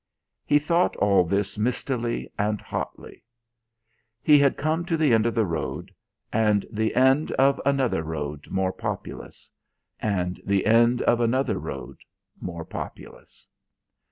He thought all this mistily and hotly. He had come to the end of the road; and the end of another road more populous; and the end of another road, more populous.